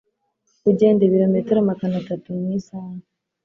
ugenda ibirometero magana tatu mu isaha,